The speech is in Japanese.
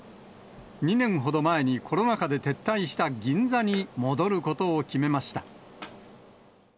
２年ほど前にコロナ禍で撤退した銀座に戻ることを決めました。